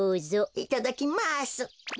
いただきます。